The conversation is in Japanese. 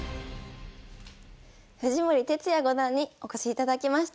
藤森哲也五段にお越しいただきました。